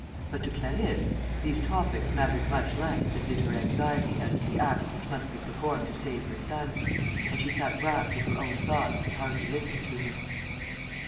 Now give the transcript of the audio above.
But to Clarisse these topics mattered much less than did her anxiety as to the acts which must be performed to save her son; and she sat wrapped in her own thoughts and hardly listened to him.